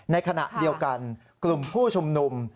ในขณะเดียวกันกลุ่มผู้ชุมนุม